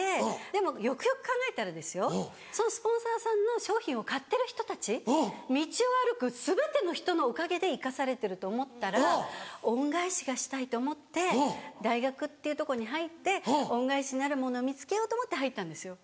でもよくよく考えたらですよそのスポンサーさんの商品を買ってる人たち道を歩く全ての人のおかげで生かされてると思ったら恩返しがしたいと思って大学っていうとこに入って恩返しになるものを見つけようと思って入ったんですよ。